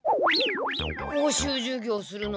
補習授業するのに。